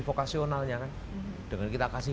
vokasionalnya dengan kita kasih